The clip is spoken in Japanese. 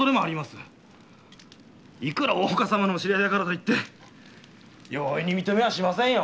いくら大岡様のお知り合いでも容易に認めはしませんよ。